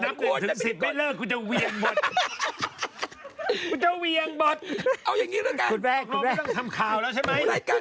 รักษาหน้ามาได้